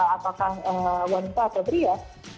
apakah wanita atau pria